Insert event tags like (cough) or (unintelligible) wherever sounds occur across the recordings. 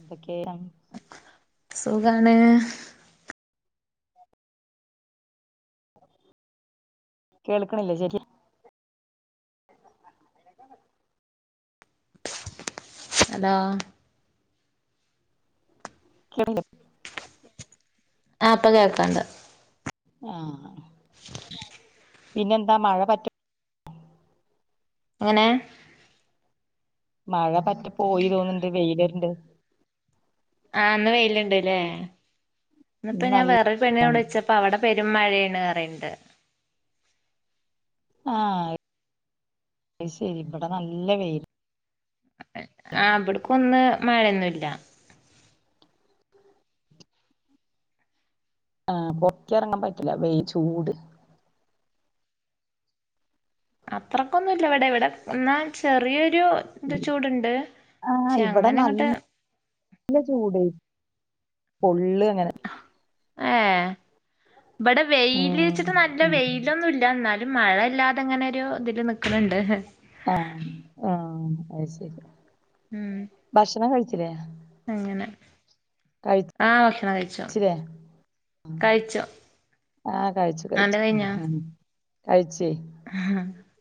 എന്തൊക്കെയാണ് സുഖാണ് കേൾക്കണില്ലേ ശരി ഹലോ (unintelligible) ആഹ് ഇപ്പ കേക്കാണ്ട് ആഹ് (inaudible) പിന്നെന്താ മഴ പറ്റ എങ്ങനെ മഴ പറ്റ പോയി തോന്ന്ണ്ട് വെയിലര്ണ്ട് ആഹ് ന്ന് വെയില്ണ്ട്ല്ലേ ഇന്ന് ഇന്നിപ്പോ ഞാൻ നല്ല വേറൊരു പെണ്ണിന ആണ് വിളിചപ്പോ പ്പവിടെ പെരും മഴയാണ്റയണ്ട് ആഹ് അയ്ശരി ഇവിടെ നല്ല വെയിൽ ആഹ് ഇബട്ക്ക് ഒന്ന് മഴൊന്നുല്ല ആഹ് പൊറക്കെ ഇറങ്ങാൻ പറ്റില്ല വേ ചൂട് അത്രക്കൊന്നുല്ല ഇവിടെ ഇവിടെ എന്നാ ചെറിയൊരു ഇത് ചൂടുണ്ട് ആഹ് പക്ഷെ ഇവിടെ അങ്ങനെങ്ങട്ട് നല്ല ചൂട് പൊള്ളങ്ങനെ ഏഹ് ഇവിടെ വെയിൽ ച്ചിട്ട് നല്ല ഉം വെയ്ൽ ഇതിലൊന്നുംല്ല ന്നാലും മഴ ഇല്ലാതെ ങ്ങനൊരു ഇതില് നിക്ക്ണണ്ട് ആഹ് ആഹ് അയ് ശരി ഉം ഭക്ഷണം കഴിച്ചിലെ അങ്ങനെ ആഹ് ഭക്ഷണം കഴിച്ചു കഴിച്ചില്ലേ കഴിച്ചു ആഹ് കഴിച്ചു അന്റെ കഴിച്ചു കഴിഞ്ഞോ കഴിച്ചേ (inaudible) (inaudible)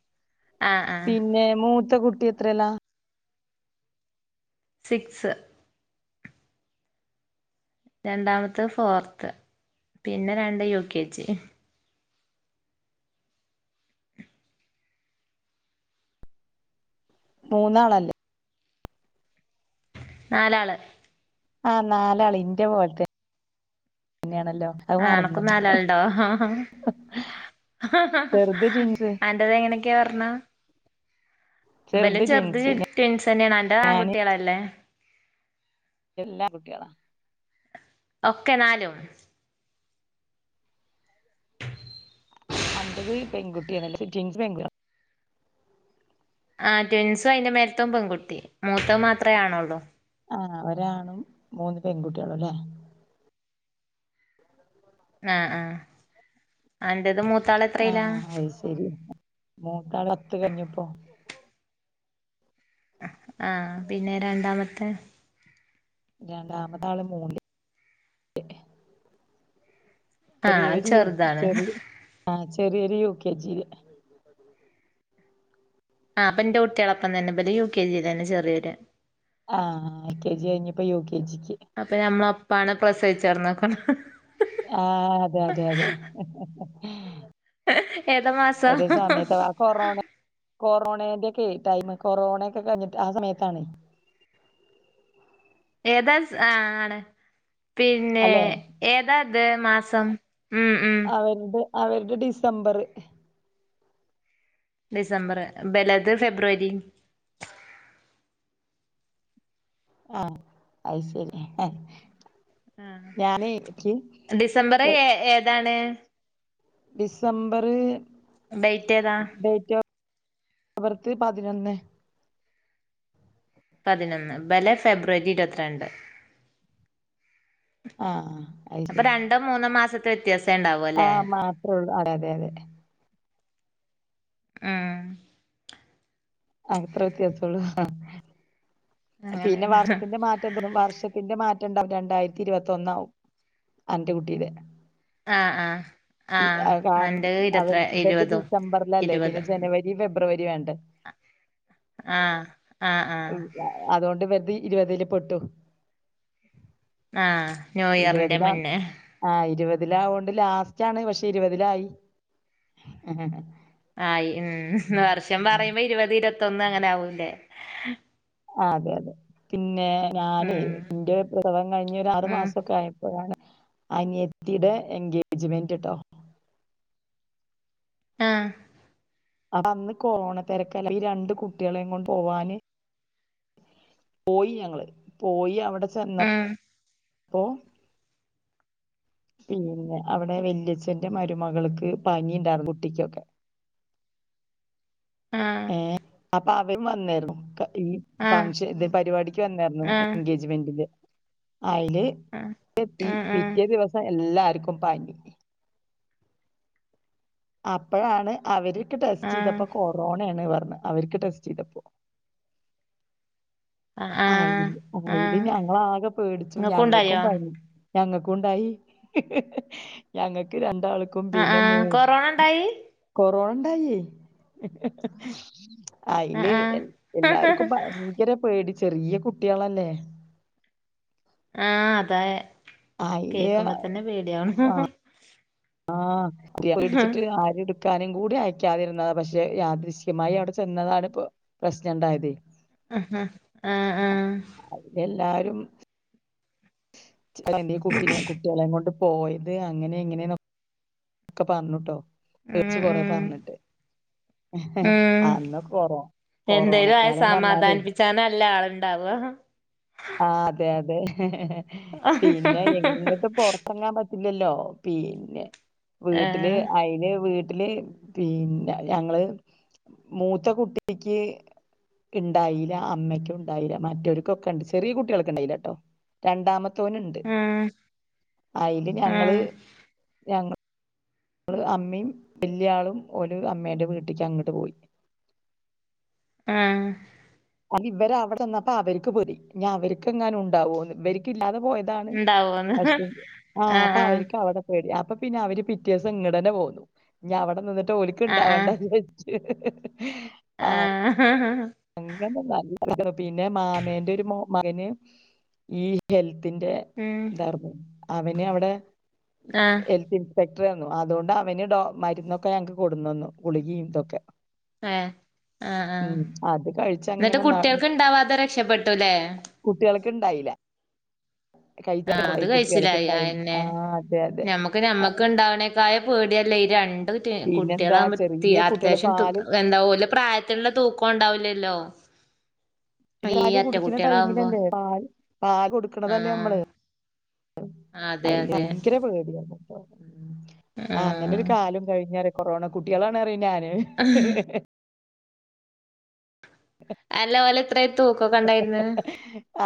ആ ആ പിന്നെ മൂത്ത കുട്ടി എത്രേലാ സിക്സ് രണ്ടാമത്തെ ഫോർത്ത് പിന്നെ രണ്ട് യു കെ ജി മൂന്നാളല്ലേ നാലാള് ആഹ് നാലാള് ഇന്റെ പോലത്തെ ന്നെണല്ലോ ആഹ് അനക്കു നാലാളുണ്ടോ ചെറുത് ജിൻസ് അന്റേത് എങ്ങനൊക്കെയ പറഞ്ഞാ ഇവലും ചെറുത് ട്വിൻസ് ന്നെണ് അന്റെത് ഞാന് ആൺകുട്ട്യേളല്ലേ എല്ലാം ആൺകുട്ടികളാ ഒക്കെ നാലും അന്റത് പെൺകുട്ടിയണല്ലെ റ്റിങ്സ് അല്ല ആഹ് ട്വൻസും അയിന്റെ മേല്ത്തതും പെൺകുട്ടി മൂത്തഹ് മാത്ര ആണൊള്ളൂ. ആഹ് ആഹ് ഒരാണും മൂന്ന് പെൺകുട്ടികളുംല്ലേ? ആഹ് ആഹ് അന്റേത് മൂത്ത. ആഹ് അത് ശരി മൂ (unintelligible) അത്ത് കഴിഞ്ഞപ്പോ. ആഹ് പിന്നെ രണ്ടാമത്തെ. രണ്ടാമത ആള് മൂന്ന്. ആഹ് അത് ചെറിയവര് ചെറുതാണ് ചെറിയ ആഹ് ചെറിയൊരു യു കെ ജി ല്. ആഹ് അപ്പൊ എന്റെ കുട്ടികളൊപ്പം തന്നെ ഇവര് യു കെ ജി ലന്നെ ചേറിയൊര് ആഹ് ഐ കെ ജി കഴിഞ്ഞപ്പോ യു കെ ജിക്ക് അപ്പൊ ഞമ്മള ഒപ്പാണ് പ്രസവിച്ചർന്നോക്ക ആഹ് അതെ അതെ അതെ ഏതാ മാസം ഒരു സമയത്ത് കൊറോണ കൊറോണന്റെൊക്കെ ടൈം കൊറോണയൊക്കെ കഴിഞ്ഞിട്ട് ആ സമയത്താണ് ഏതാ ആഹ് ആണ് പിന്നെ അല്ലെ ഏതാത് മാസം ഉം ഉം അവരുടെ അവരുടെ ഡിസംബർ ഡിസംബർ ഇബലത് ഫെബ്രുവരി ആഹ് അയ് ശരി ഞാനേ എനിക്ക് ആഹ് ഡിസംബർ ഏ ഏതാണ് ഡിസംബർ ഡേറ്റ് ഏതാ ഡേറ്റ് ഓഫ് പർത്ത് പതിനൊന്ന് പതിനൊന്ന് ഇബലെ ഫെബ്രുവരി ഇരുപത്തിരണ്ട് ആഹ് അത് അപ്പൊ ശരി രണ്ടോ മൂന്നോ മാസത്തെ വ്യത്യാസം ഉണ്ടാവ ആഹ് മാത്രമേ ഉള്ളൂ അതെ അതെ അതെ ആഹ് അത്ര വ്യത്യാസം ഒള്ളൂ പിന്നെ അങ്ങനെയാണ് മാസത്തിന്റെ മാറ്റം വർഷത്തിന്റെ മാറ്റം ഉണ്ടാവും രണ്ടായിരത്തി ഇരുപത്തൊന്നാവും അന്റെ കുട്ടിയുടെ ആഹ് ആഹ് (unintelligible) അവർ ഇവര്ത് ഇരുപതും ഡിസംബറിലല്ലേ പിന്നെ ഇരുപത് ജനുവരി ഫെബ്രുവരിയും വേണ്ട ആഹ് ആഹ് ആഹ് അതുകൊണ്ട് ഇവരുത് ഇരുപതില് പെട്ടു ആഹ് ന്യൂ ഇയറിന്റെ ഇരുപതിലാ മുന്നേ ആഹ് ഇരുപതില ആകേണ്ട് ലാസ്റ്റ് ആണ് പക്ഷെ ഇരുപതിലായി ആയി ഉം വർഷം ഉം പറയുമ്പോ ഇരുപത് ഇരുപത്തൊന്ന് അങ്ങനെ ആവൂല്ലേ ആ അതെ അതെ പിന്നെ ഞാന് ഉം ഇന്റെ പ്രസവം കഴിഞ്ഞ ഒരു ആറു ഉം മാസമൊക്കെ ആയ അപ്പോഴാണ് അനിയത്തിയുടെ എൻഗേജ്മെന്റ് ട്ടോ ആഹ് അപ്പം അന്ന് കൊറോണ തിരക്കല്ല ഈ രണ്ട് കുട്ടികളെ കൊണ്ട് പോവാന് പോയി ഞങ്ങള് പോയി അവിടെ ഉം ചെന്നപ്പോ പിന്നെ അവിടെ വല്യച്ഛന്റെ മരുമകൾക്ക് പനിയ ഉണ്ടായിരുന്നു കുട്ടിക്കൊക്കെ ആഹ് ഏഹ് അപ്പൊ അവരും വന്നായിരുന്നു ഈ ആഹ് ഫംഗ്ഷ ഇത് പരിപാടിക്ക് വന്നായിരുന്നു ആഹ് എൻഗേജ മെന്റിന് അയ്ല് ആഹ് ആഹ് പിറ്റേ ദിവസം എല്ലാർക്കും പനി അപ്പോഴാണ് അവര് ടെസ്റ്റ് ആഹ് ആഹ് ചെയ്തപ്പോ കൊറോണയാണ് പറഞ് അവർക്ക് ടെസ്റ്റ് ചെയ്തപ്പോ ആഹ് ആഹ് അയില് അയിയില് ആഹ് ഞങ്ങള് ആകെ പേടിച്ചു ഇങ്ങക്കും ഞങ്ങൾക്കും ഉണ്ടായോ പനി ഞങ്ങൾക്കുണ്ടായി ഞങ്ങൾക്ക് രണ്ടാള്ക്ക് ആഹ് പിന്നെ ആഹ് മോൾക്കും കൊറോണ ഉണ്ടായി കൊറോണ ഉണ്ടായി ആഹ് അതില് ആഹ് എല്ലാർക്കും ഭയങ്കര പേടി ചെറിയ കുട്ട്യാളല്ലേ ആഹ് അതെ അയില് കേക്കുമ്പോ തന്നെ പേടിയാവ്ണ് ആഹ് പേടിച്ചിട്ട് ആര് എടു ടുക്കാനും കൂടി അയക്കാതിരുന്നത പക്ഷേ. യാദൃശ്യമായി അവിടെ ചെന്നതാണ് ഇപ്പെ പ്രശ്നം ഉണ്ടായത് ആഹ് ആഹ് ആഹ് ആഹ് അപ്പൊ എല്ലാരും (unintelligible) കുട്ടിനെ കുട്ടികളും കൊണ്ട് പോയത് അങ്ങനെ ഇങ്ങനെയ ഒക്കെ പറഞ്ഞുട്ടോ ഉം പേടിച്ച് കൊറെ ഉം പറഞ്ഞിട്ടെ ഉം അന്ന് കെറേ എന്തേലും ആയാൽ സമാധാനിപ്പിച്ചാന അല്ല ആളുണ്ടാവാ. ആഹ് അതെ അതെ. പിന്നെ എങ്ങിട്ട് പുറ ത്തെറങ്ങാൻ പറ്റില്ലല്ലോ. പിന്നെ വീട്ടില് ഏഹ് അയിന് വീട്ടില് പിന്നെ ഞങ്ങള് മൂത്ത കുട്ടിക്ക് ഉണ്ടായീല്ല അമ്മക്കും ഉണ്ടായീല്ല. മറ്റവർക്കൊക്കെ ഉണ്ട്. ചെറിയ കുട്ടികൾക്ക്‌ ഉണ്ടായീല്ല കേട്ടോ. രണ്ടാമത് ത്തോന്ണ്ട്. ആഹ് അയില് ഞങ്ങള്, ആഹ് ഞങ്ങ നമ്മള് അമ്മയും വല്ല്യാളും ഒരു അമ്മേടെ വീട്ട്ക്ക് അങ്ങോട്ട് പോയി. ആഹ്. അത് ഇവര് അവിടെ നിന്നപ്പോ അവർക്ക് പേടി. ഇഞ്ഞവര്ക്ക് എങ്ങാനു ഉണ്ടാവോന്ന്. ഇവർക്കില്ലാതെ പോയത് അതാണ്. ഉണ്ടാവോന്ന് പക്ഷെ, ആഹ് അപ്പ അവർക്ക് അവിടെ പേടി. അപ്പൊ പിന്നെ അവര് പിറ്റേ ദിവസം ഇങ്ങടന്നെ പോന്നു. ഇനി അവിടെ നിന്നിട്ട് ഓലിക്ക് ആഹ് ഉണ്ടാവേണ്ട ആഹ് വിചാരിച്ചിട്ട് (unintelligible) ആഹ്. (inaudible) നല്ല (inaudible) പിന്നെ മാമേന്റെ ഒരു മകന് ഈ ഹെൽത്തിന്റെ ഉം ഇതാർന്നു. അവന് അവിടെ ആഹ്. ഹെൽത്ത് ഇൻസ്പെക്ടറാര്ന്നു. അതുകൊണ്ട് അവന് മരുന്നൊക്കെ ഞങ്ങക്ക് കൊടുന്ന് തന്നു. ഗുളികയും ഇതൊക്കെ. ഏഹ്? ആഹ് ആഹ്. ഉം അത് എന്നിട്ട് കഴിച്ചങ്ങനെ കുട്ടികൾക്ക് ഇണ്ടാവാതെ രക്ഷപ്പെട്ടുല്ലേ? കുട്ടികൾക്ക്‌ ഇണ്ടായീല. കഴിച്ച ആഹ് കൂടെ അത് ഈ കുട്ടികൾക്ക് കഴിച്ചിലായി ഇണ്ടായീല. ആഹ് അതെ അതെ. ക്ക്ണ്ടാവണേക്കാൾ പേടിയല്ലേ ഈ രണ്ട് പിന്നെന്താ കുട്ടികളാകുമ്പോ ചെറിയ കുട്ടികള് അത്യാവശ്യം പാല് എന്താല പ്രായത്തിലുള്ള തൂക്കം ഉണ്ടാവില്ലല്ലോ. പിന്നെ ഈ പാൽ അറ്റ കുടിക്കുന്ന കുട്ടികളാകുമ്പോ ടൈമിലല്ലേ? പാല്, പാല് കൊട് ക്കണതല്ലേ ആഹ് നമ്മള്. അതെ അതെ ഭയങ്കര പേടിയേനു. ആഹ് അങ്ങനൊരു കാലം കഴിഞ്ഞ് പറയും. കൊറോണ കുട്ടികളാണ് പറയും ഞാന്. ഉ (inaudible) അല്ല ഓല് എത്രയാ തൂക്കം ഒക്കെ?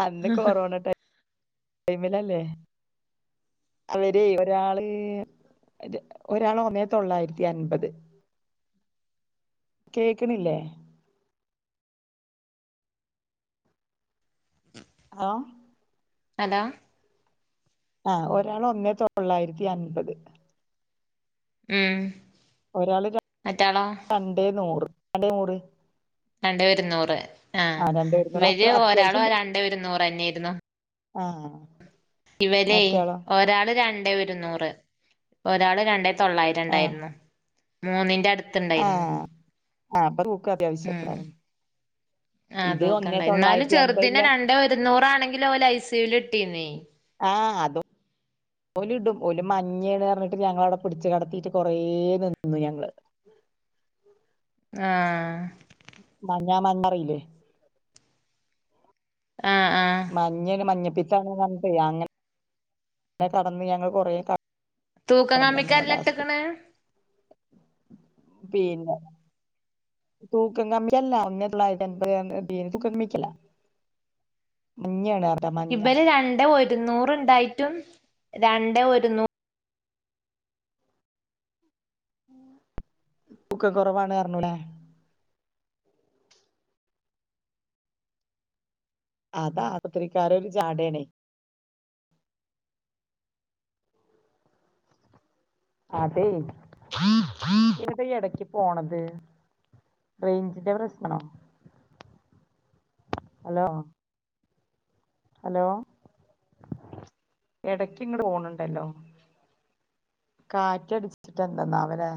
അന്ന് കൊറോണ ടൈമിലല്ലേ. അവര് ഒരാള്, ഒരാൾ ഒന്നേ തൊള്ളായിരത്തി അൻപത്. കേൾക്കണില്ലേ? ആഹ്. ഹലോ. ആഹ് ഒരാൾ ഒന്നേ തൊള്ളായിരത്തി അൻപത്. ഉം. ഒരാള് മറ്റാളോ രണ്ടേ നൂറ്. രണ്ടേ നൂറ്. രണ്ടേ ഒരുന്നൂറ് ആ ആഹ്. രണ്ടേ ഇരുന്നൂറ് ഇവര് അത്ര ഒരാളും അത്യാവശ്യം രണ്ടേ ഒരുന്നൂറ് തന്നെയായിരുന്നു. ആഹ്. ഇവരേ ഒരാള് രണ്ടേ ഒരുന്നൂറ്. ഒരാള് രണ്ടേ തൊള്ളായിരം ആഹ് ഉണ്ടായിരുന്നു. മൂന്നിന്റെ അടുത്തുണ്ടായിരുന്നു. ആഹ് ആഹ് അപ്പൊ തൂക്കം ഉം. അത്യാവശ്യക്കെണ്ടാവും ആഹ് ഇത് ഒന്നേ തൂക്കണ്ടായി. എന്നാലും തൊള്ളായിരത്തി ചെറുതിനെ അൻപതില രണ്ടേ ഒരുന്നൂറ് ആണെങ്കിലും ഓല് ഐ സി യു വില് ഇട്ടിന്. ആഹ് അതും ഓലിടും. ഓല് മഞ്ഞേണ് പറഞ്ഞിട്ട് ഞങ്ങളവിടെ പിടിച്ച് കിടത്തീട്ട് കുറേ നിന്നു ഞങ്ങള്. ആഹ്. മഞ്ഞ മഞ്ഞറീല്ലേ. ആഹ് ആഹ് മഞ്ഞേണ് മഞ്ഞപ്പിത്താണ് പർഞ്ഞിട്ടെ അങ്ങനെ അങ്ങനെ കടന്ന് ഞങ്ങള് കൊറെ കെട തൂക്കം കമ്മിക്കല്ലാ ഇട്ട്ക്ക്ണ് പിന്നെ തൂക്കം കമ്മിയല്ലാ ഒന്നേ തൊള്ളായിരത്തി അൻപത് (unintelligible) തൂക്കം കമ്മിക്കല്ലാ മഞ്ഞയാണ് പറയാ മ ഇബര് രണ്ടേ ഒരുന്നൂറ് ഇണ്ടായിറ്റു രണ്ടേ ഒരുന്നൂ തൂക്കകൊറവാണ് പറഞ്ഞൂല്ലേ അതാ ആപത്രിക്കാരെ ഒരു ജാടയാണേ അതെ എവിടെ ഈ എടക്ക് പോണത് റേയിഞ്ചിന്റെ പ്രശ്നോ ഹലോ ഹലോ എടക്ക് ഇങ്ങട് പോണണ്ടല്ലോ കാറ്റടിച്ചിട്ട് എന്തന്നാവലേ